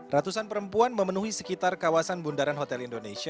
ratusan perempuan memenuhi sekitar kawasan bundaran hotel indonesia